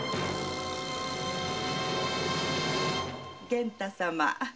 源太様。